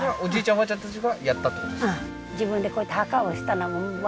おばあちゃんたちがやったってことですか？